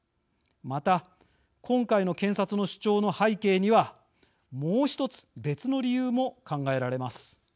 また今回の検察の主張の背景にはもう１つ別の理由も考えられます。